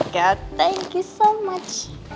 ya tuhan terima kasih banyak